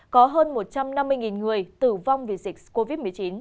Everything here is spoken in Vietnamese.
có hơn một trăm năm mươi người tử vong vì dịch covid một mươi chín